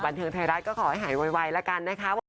บรรเทิงไทยรัฐก็ขอให้หายไวละกันนะครับ